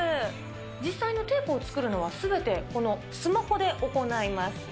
実際にテープを作るのはすべてこのスマホで行います。